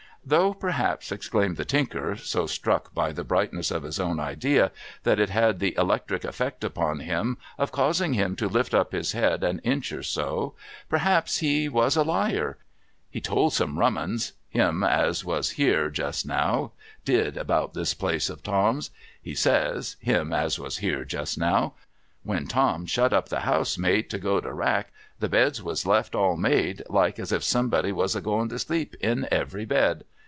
' Though, perhaps,' exclaimed the Tinker, so struck by the brightness of his own idea, that it had the electric eftect upon him of causing him to lift up his head an inch or so, ' perhaps he was a liar ! He told some rum'uns — him as was here just now, did about this place of Tom's. He says — him as was here just now —" When Tom shut up the house, mate, to go to rack, the beds was left, all made, like as if somebody was a going to sleep in every bed.